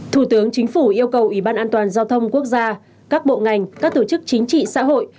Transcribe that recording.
thủ tướng chính phủ yêu cầu ủy ban an toàn giao thông quốc gia các bộ ngành các tổ chức chính trị xã hội